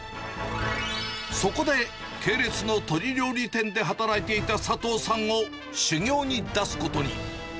そこで、系列の鶏料理店で働いていた佐藤さんを修業に出すことに。